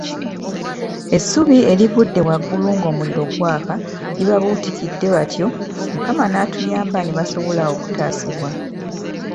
Essubi erivudde waggulu ng'omuliro gwaka libabuutikidde bwatyo Mukama naatuyamba nebasobola okutaasibwa.